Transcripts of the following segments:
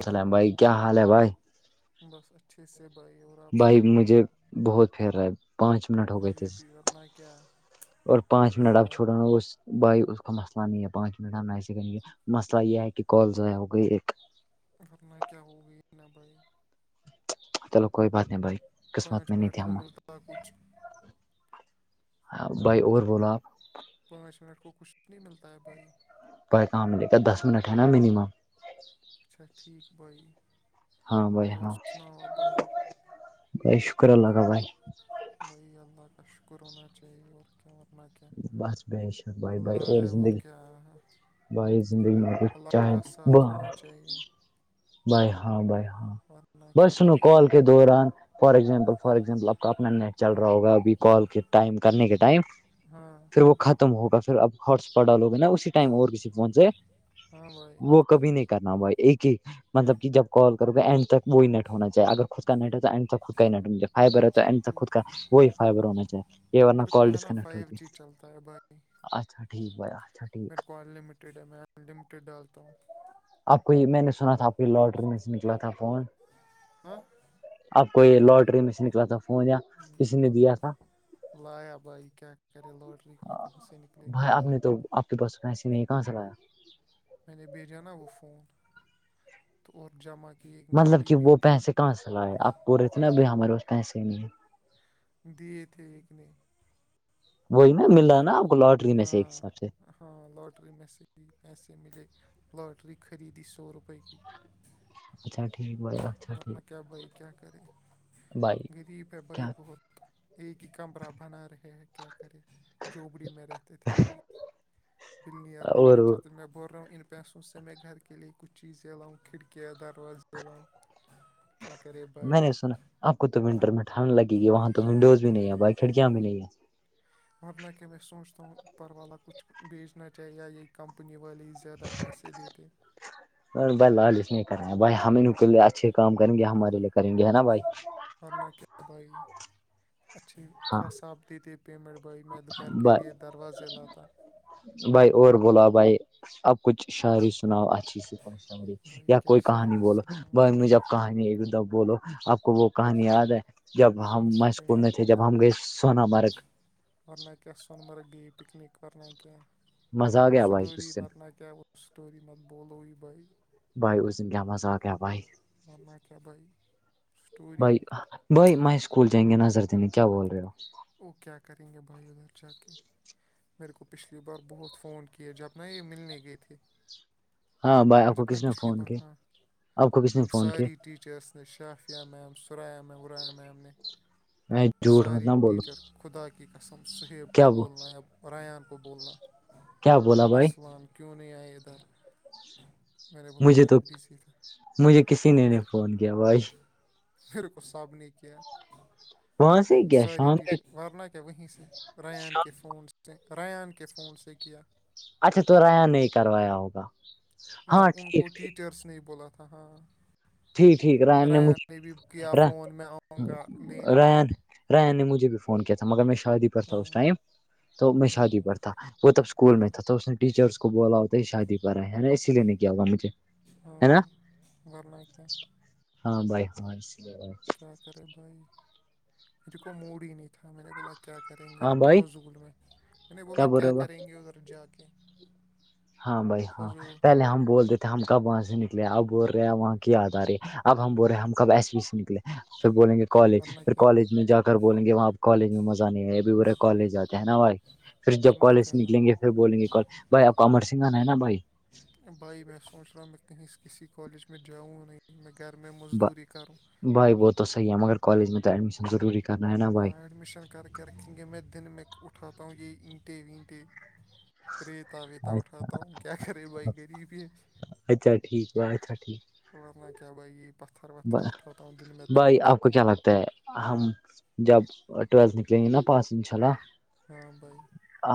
السلام بھائی کیا حال ہے بھائی بس اچھے سے بائی اور آپ بھائی سناؤ مجھے بہت پھیر رہا ہے پانچ منٹ ہو گئے تھے کیا کیا اور پانچ منٹ اب چھڑناا اس بھائی اس کو مسئلہ نہیں ہے پانچ منٹ ہم ای مسئلہ یہ ہے کہ کال ضائع ہو گئی ایک ھرنہ کیا ہوگئی نہ بھائی چلو کوئی بات نہیں بھائی قسمت پانچ میں نہیں منٹ تھی کو ہم ملتا کچھ ہاں بھائی اور بولو آپ پانچ منٹ کو کچھ نہیں ملتا ہے بھائی پ کام لے کے دس منٹ ہے نا منیمم اچھا ٹھیک بائی ہاں بھائی اور سناؤ آ بائی بائی شکر اللہ کا بھائی بھائی اللہ کا شکر ہونا چاہیے اور کیا بت بس ب شا بھائی بائی اور ہے زندگی کیا ہے بھائی زندگی میں کچھ اللہ چاہیں کا ساتھ ہونا چاہیے بائی ہاں بائی ہاں ورنہ بس کیا سنو بھائی کال کے دوران فار ایگزامپل فار ایگزامپل آپ کا اپنا نیٹ چل رہا ہوگا ابھی کال کے ٹائم کرنے کے ٹائم ہاں پھر وہ ختم ہوگا پھر اب ہاٹسپاٹ ڈالو گے نا اسی ٹائم اور کسی پہنچ جائے ہاں بھائی وہ کبھی نہیں کرنا ہوائی ایک ایک مطلب کہ جب کال کرو گا اینڈ تک وہی ن ہونا چی اگر خود کا ن نہیںٹ تو خود کا ہی نٹ فائبر ہے اچھا تو خود کا ٹھیک وہی فائبر ہونا چاہی یہ ورنہ کال ڈسکنٹ ب م [inaudible] ٹھیک بھائی اچھا میں ٹھیک لٹیڈ ڈالتا ہوں آپ کو یہ میں نے سنا تھا آپ کی لاٹری میں سے نکلا تھا فون ہاں آپ کو یہ لوٹری میں سے نکلا تھا فون یا کسی نے دیا تھا لایا بھائی کیا کرے لاٹری میں کہاں سے نکلے گا بھائی آپ نے تو کہ بس پیسے نہیں کہاں سے لیا میں نے بھیجا نا وہ فون تو اور جمع کی ایک مطلب کہ غریبی وہ پیسے کہاں سے لائے آپ بول رہے تھے نا اب ہمارے پاس پیسے نہیں ہے دیے تھے لیکنے [unintelligible] وہی نا مل رہا نا آپ کو لاٹری میں سے ایک ہاں حساب سے ہاں لاٹری میں سے پیسے ملے لاٹری خریدی سو روپے کی اچھا ٹھیک بول ورنہ کیا بھائی کیا کرے بھائی غریب ہے بھائی کیا بہت ایک ہی کمرہ بنا رہے ہے کیا کرے جبڑی میں رہتے تھے بھائی بل نئر اور بننا چ تو م میں بن [unintelligible] پیسوں س سے م میں گھر کے لیے کچھ چیزلاؤں کھڑکیاں دروازہےلاوں کیا کرے میں نے سنا آپ کو تو ونٹر میں ٹھانڈ لگے گی وہاں تو ونڈوز بھی نہیں ہے بھائی کھڑکیاں بھی نہیں ہے مگر نہ کہ میں سوچتا ہوں پرو والا کچھ بھیچنا چاہیے یا یہی کمپنی والی زیادہ پیسے دیتے بھائی لالچ نہیں کر رہے ہیں بھائی ہم ان کے لیے اچھے کام کریں گے ہمارے لیے کریں گے ہے نا بھائی ورنہ کیا بھائی اچھھی ہاں خاصا آپ دیتے پیمنٹ بوائے میں گھر کے بھائی لیے دروازے لاتا بھائی اور بولا بھائی اب کچھ شاعری سناؤ اچھی سے ش بھائی یا کیا کوئی کہانی شاعری بولو سنا ب م جب کہانی ایک دم بولو آپ کو وہ کہانی یاد ہے جب ہم کون م سی بھائی اسکول میں تھے جب ہم گئے سونا مارگ ورننا کیا سون مرگ گ پکنک ننا ک مزہ آ وہ گیا بھائی سٹوری اس دن بن کیا وہ اسٹوری مت بولوی بئی بھائی اس دن کیا مزاق کیا بھائی ورنہ کیا بھائی سٹوری بھائی بھائی میں اسکول جائیںے نظر دینے کیا بول رہے ہو وہ کیا کریں گے بھائی ادھر جا کے میرے کو پچھلی بار بہت فون کیے جب نہ یہ ملنے گئے تھی ہاں بھائی آپ کو جبنا کس نے پچھلی فون بار کیا ہاں آپ کو کس نے فون کیا ساری یچرس ن شافیہ میم سرایہیا میم رایہ میم ن میں جھوٹ مت ساری نہ بولو ٹیچر خدا کی قسم سہیب کیا قبول نائیب ریان کو بولنا کیا بولا بھائی ارسلان کیوں نہیں آئے ادھر میں نے بولا مجھے میں تو بزی تھا مجھے کسی نے نہیں میر فون کیا بھائی پھر کو سب نے کیا وہاں سے کیا ساری شام کے ٹیچر ن کہ وہیں سے شام ریان کے فون سے ریان کے فون سے کیا اچھا تو ریا نہیں کروایا ہوگا نہ ہاں ان ٹھیک کو ٹھیک ٹیچرس نے بولا تھا ہاں ٹھیک ٹھیک ریان مجھے نے بھی کیا فون میں آؤوں گا لینے ریا نے مجھے بھی فون کیا تھا مگر میں شادی پر تھا ہاں اس ٹائم تو میں ہاں شادی پر تھا وہ تب اسکول میں تھا تو اس نے ٹیچرس کو بولا ہو ہی شادی کرا ہے ہےا اسی لیے نہیں کیا ہوا مجھے ہے ہاں نا گل کیا [inaudible] ہاں بھائی ہاں کیا کرے بھائی مج کو موڈ ہی نہیں تھا میں نے بولا کیا کریں گے ہاں ادھر بھائی فضول میں میں نے بولا بول رہے کیا ہو کریں گے ادھر جا کے ہاں بھائی ہاں فضول پہلے ہم بول دیتے ہم کب وہاں سے نکلے اب بول رہے ہیں وہاں کی یاد آ رہی ہے اب ہم بول رہے ہیں ہم کب ایسے ہی سے نکلے سر بولیں گے کالج ورنہ پھر کیا کالج میں جا کر بولیں گے وہاں ا کالج میں مزہ نہیں آ ہے ابھی برے کالج آتے ہیں نا بھائی پھر جب ورنہ کالج سے کیا نکلیں بھائی گے پھر بولیں گے کالج بھائی آپ کو امر سنگ آنا ہے نا بھائی بھائی میں سوچ رہا ہوں میں کہیں کسی کالج میں جاؤں نہیں میں گھر میں مزدوری کروں بھائی بہ تو صحیح ہے مگر کالج میں تو ایڈمشن ضروری کرنا ہے نا بھائی ہاں ایڈمیشن کر کے رکھیں گے میں دن میں اٹھاتا ہوں یہی اینٹے وینٹے ریتا ویتا اچھا اٹھاتا ہوں کیا کرے بھائی غریب ہے اچھا ٹھیک ہےا اچھا ٹھیک [inaudible] ورنہ کیا بھائی پتھر وتھر اٹھاتا ہوں دن میں بھائی توڑتا آپ کو ہوں کیا لگتا ہم جب ٹویلتھ نکلیں گے نا پاس انشاء اللہ ہاں بائی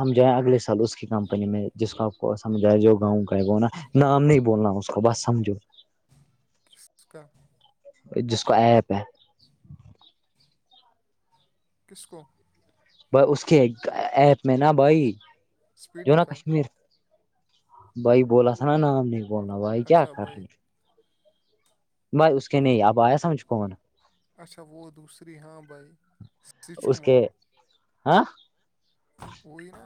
ہم جائیں اگلے سال اس کی کمپنی میں جس کا آپ کو سمجھائے جو گاؤں بولنا نام نہیں بولنا اس کو بس سمجو کس کا [inaudible] جس کو ایپ ہے کس کو ب اس کے ایپ میں نا بھائی جو اسپیڈی نا کاٹ کشمیر بھائی بولا س نا نام نہیں بولنا بھائی کیا اچھا کر بھائی رہے بائی اس کے نہیں اب آیا سمجھ کون اچھا وت سری ہاں بھائی اس سچومہ کے ہاں وہی نا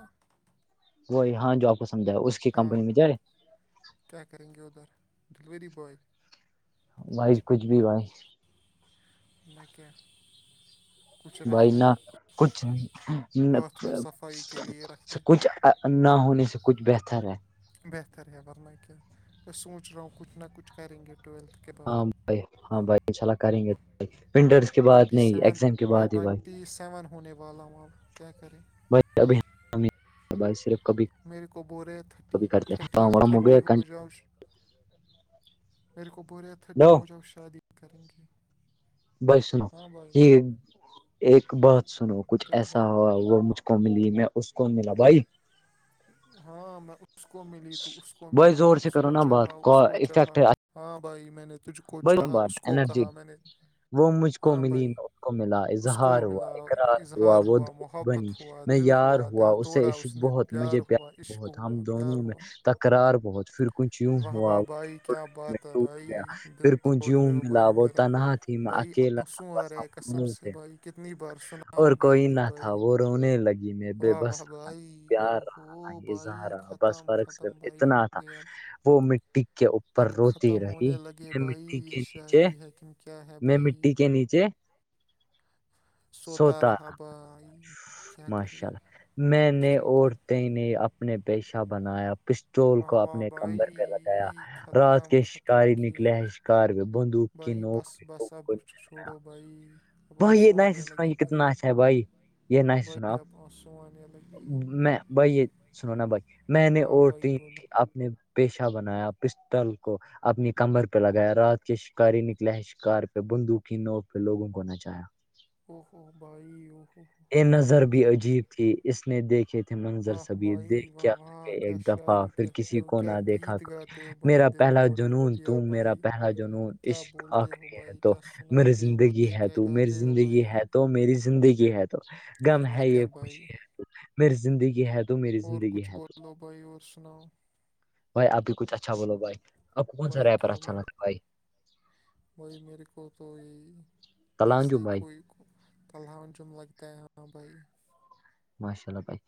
وہی ہاں جو آپ کو سمجھ ہے اس کی ہاں, کمپنی میں جائے کیا کریں گے ادھر ڈلیوری بوائے- بھائی کچھ بھی بائی- مکیہ بھائی نہ کچھ- باتھ روم صفائی کے لیے رکھتے کچھ- نہ ہونے سے کچھ بہتر ہے- بہتر ہے ورنہ کیا میں سوچ رہا ہوں کچھ نہ کچھ کریں گے ٹویلتھ- کے بعد ہاں بھائی ہاں بھائی چلا کریں گے ونٹرس- کے بعد ٹونٹی نہیں سیون ایگزام کے میں بعد ہی بھائی ٹونٹی سیون ہونے والا ہوں اب کیا کریں- بھائی ابھی- بھائی صرف کبھی- میرے کو ب رہے تھرٹی کبھی کرتے ہیں تھرٹی کام وام تھرٹی گیا ہو کنٹینیو۔ جاؤ- میرے کو بوریا ھٹی لو ہو جاؤ شادی کریں گے- بائی سنو ہاں بھائی یہ ایک بات سنو کچھ کیا ایسا بھائی ہو وہ مجھ- کو ملی میں اس کو ملا بھائی- ہاں میں اس کو ملی تو اس کو بھائی ملا میں زور سے اس کرو کو نا بات چاہا اس کو افیکٹ چاہا- ہاں بھائی میں نے تجھ کو چاہا اس بات کو انرجی کہا میں نے- وہ مجھ کو ہاں ملی بھائی میں اس کو ملا اس کو اظہار ہوا ملا اقرار اظہار وہ ہوا دوست محبت بنی ہوا- ہوا میں دل یار ہوا دل اسے توڑا اس عشق نے- بہت پیار مجھے ہوا، عشق بہت ہوا، ہم پیار دونوں میں ہوا تکرار بہت پھر کچھ یوں واہ ہوا واہ وہ بھائی چھوڑ کیا کے میں بات- ٹوٹ گیا تبائی- پھر کو یوں ملا وہ تنہا تھی میں بھائی اکیلا تھا آنسو آ بس رہے قسم سے تھے- بھائی کتنی بار اور سناؤ گے کوئی یہی نہ تھا بھائی وہ رونے لگی میں بے واہ واہ بس- بھائی رہا او ہو نہ ازا بھائی رہا بس ختم فرق ص ختم بھائی ہو اتنا تھا گیا وہ مٹی کے اوپر- پر اب روتی ختم رہی ہونے لگے بھائی مٹی یہ کے نیچے، شاعری ہے کہ کیا ہے میں بھائی مٹی کے نیچے - سوتا رہا بھائی کیا ماشاء کرے- اللہ میں نے سوتا عورتیں نے اپنے پیشہ بنایا- پستٹول واہ کو واہ اپنے کمبر پہ لگایا بھائی رات ختم کے ختم شکاری نے- کھیل لے شکار پ بندوق کی نوک- لوگوں بسب کو نچایا۔ چھوڑو بھائی آ بھائی یہ نہیں سے سانے سنا لگے یہ کتنا بھئی- اچھا ہے بھائی یہ نہیں ب سے سنا آپ سان ل میں بھائی یہ سنو نا بھائی میں نے ہاں بائی عورتیں نے بولو - اپنے پیشہ بنایا پستل کو- اپنی کمبر پہ لگایا رات کے شکاری نکلے ہے شکار پہ بندوکی نو پہ لوگوں کو نچار- [unintelligible] اوہ- اوہ ہو بھائی او- یہ نظر بھی عجیب تھی اس نے دیکھی- تم نے نظر آہ سب بھائی دیکھ واہ کیا واہ ایک کیا دفعہ شاعری پھر کہتے کسی ہو کو کیا نہ دیکھا گیت کر- گاتے ہو بھائی میرا دل پہلا توڑا جنون تو، دیا میرا بھائی پہلا جنون کیا عشق بولتے ہو اخری ہے- بھائی تو کیا میری سناتے ہو زندگی بھائی ہے کیا تو، میری گاتے ہو زندگی بھائی ہے تو، میری زندگی ہے تو- تو م ورنہ ہے کیا یہ بھائی خوشی ہے تو میری زندگی ہے تو اور کچھ بولو بھائی اور سناؤ بھائی آپ بھی کچھ اچھا بولو بھائی- آپ کو کون سا بھائی ریپر کیا اچھا بول لگتا ہے بھائی بھائی میرے کو تو یہی- ایسے تلانجو ہی بھائی کوئی تلہلہن جم لگتا ہے ہاں بھائی ماشاء اللہ بھائی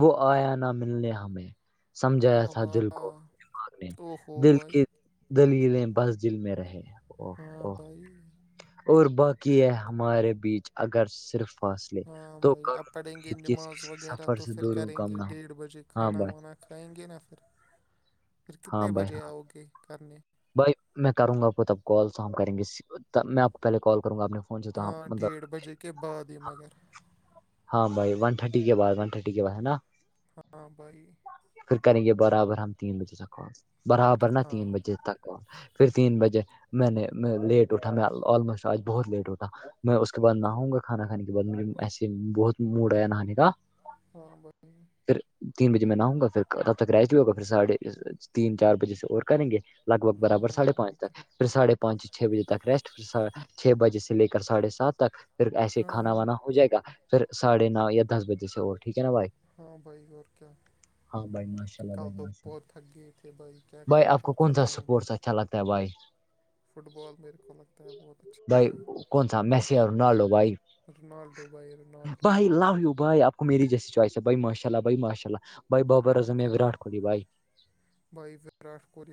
وہ آیا نہ ملنے ہمیں سمجھایا واہ تھا دل واہ کو دماغ نے اوہو دل بھائی کے- دلیلیں بس جل میں رہے او ہاں او- بھائی اور باقی ہے ہمارے بیچ اگر صرف فاصلے ہاں تو بھائی اب کروں- پڑھیں گے امید کہ اس نماز کسی وغیرہ سفر تو سے پھر دوروں کریں کم گے نہ ہو ڈیڑھ بجے ہاں کھانا بھائی وانا- کھائیں گے نہا پھر پھر ہاں کتنے بھائی ہاں بجے آؤ گے کرنے- بھائی میں کروں گاپ تب کال تو ہم کریں گے میں آپ کو پہلے کال کروں گا اپنے فون سے تو ہم ہاں مطلب ڈیھ بجے کےے بعاد مگر- ہاں بھائی ون تھرٹی کے بعد ون تھرٹی کے بعد ہے نا ہاں بھائی پھر کریں گے برابر ہم تین بجے تک ہو برابر نا ہاں تین بجے تک پھر تین بجے میں نے لیٹ اٹا میں آلموسٹ آج بہت لیٹ اٹھا میں اس کے بعد نہاؤں گا کھانا کھانے کے بعد مے ایسے بہت موڈ آیا نہانے کا ہاں بھائی خھر تین بجے میں نہ ہوں گا پھر تب تک ریجوی ہوگا پھر ساڑھے تین چار بجے سے اور کریں گے لگ بھگ ہاں برابر بھائی سھے پانچ اللہ کے تک پھراڑھے پانچ چھ بجے تک ریسٹ پ چھ بجے سے لے کر ساھے سات تک پھر ایسے ہاں کھانا بھائی وانا ہو جائے گا پھر ساڑھے نو یا دس بجے سے اور ٹھیک ہے نا بھائی ہاں بھائی اور کیا؟ ہاں بھائی ماشاء اللہ کل بھائی تو ماشاء اللہ بہت تھک گئے تھے بھائی کیا کرے کل ختم ہو گیا چلاات بائی میرے کو لگتا ہے بہت اچھا بھائی کون سا میسیر نالو بھائی رونالڈو بھائی رونالڈو بھائی لو یو بھائی آپ کو میری جیسی چوائس ہے بھائی ماشاء اللہ بھائی ماشاء اللہ بھائی بابر اور نے اعظم ہے کیا وراٹ کوہلی بھائی بائی بائی کو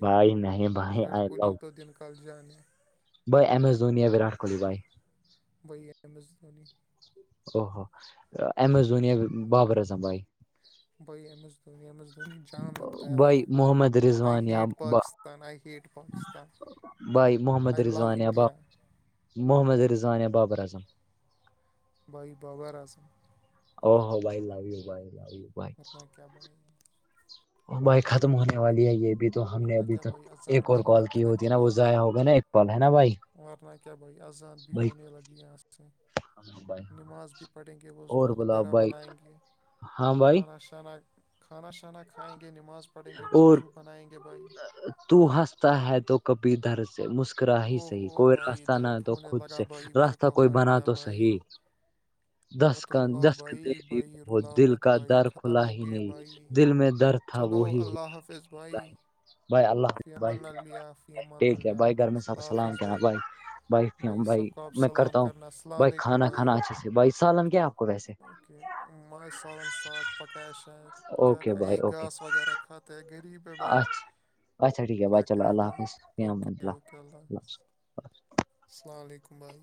بھائی نہیں بھائی وراٹ آئی لو کوہلی تو دن کال جان ہے بھائی ایم ایس دھویاورٹ کوہلی بھائی وہائی ایم ایس دھونی او ہو امزونیا بابر اعظم بھائی بھائی M S Dhoni M S Dhoni جام لگتا ہے اپنا بھائی محمد آئی رضوان یا ہیٹ با- پاکست ان آئی ہییٹ پاکستان بھائی محمد آئی لو رضان یا باب انڈیا محمد رضوان یا بابر اعظم بھائی بابا اعظم او ہو بائل لای بائل کرن کیا بائے بائی ختم ہونے والی ہے یہ بھی ابھی تو ہم نے ورنہ ابھی کیا تک بھائی اذان ایک بھی اور کال ہونے کی ہوتی ہے نا وہ ضائع ہو گیا نا ایک کال ہے نا بھائی وورنہ کیا بھائی اذان بہونے لگی آ بائے نماز بھی پڑھیں گے وضو وغیرہ بنائیں گے ہاں بھائی کھانا چانا کھانا شانا کھائیں گے نماز پڑھیں گے وہ اور وضو بنائیں گے بھائی تو ہنستا ہے تو کبھی دھر سے مسکراہ ہی اوہ صحیح او کوئی بھائی راستہ نہ درد تو ہونے خود لگا سے بھائی میرے راستہ کو کوئی ہارٹ بنا میں تو بھائی صحیح [inaudible] مت دستک رلاؤ بھائی دستکتے بھی بھائی بہت رلاؤ دل مت کا بھائی در ختم کھلا ہی نہیں دل میں در تھا ہلو وہی ہو اللہ حافظ بھائی بھائی اللہ بھائی فیامن علیہلہ فیامن ٹھیک ہے اللہ بھائی گھر میں سب الللہح سلام حافظ کیا بھائی بھائی سب کو آپ میں سلام کرتا ہوں کرنا السلام بھائی علیکم کھانا کھانا بھائی اچھے سے بھائی سالن کیا آپ کو ویسے اوکے مجے سالن ساگ پکایا شاید کیا اوکے کر بھائی اوکے گاس وغیرہ کھاتے ہے غریب ہے بھائی اچھا اچھا ٹھیک ہے بھائی کیا چلو کرے اللہ بھائی حافظ اوکے فمدلہ اوکے اللہ ال حاظ حافظ السلام علیکم بھائی